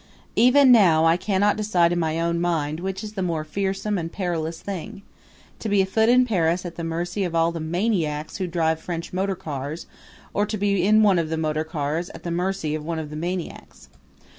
Even now I cannot decide in my own mind which is the more fearsome and perilous thing to be afoot in Paris at the mercy of all the maniacs who drive French motor cars or to be in one of the motor cars at the mercy of one of the maniacs.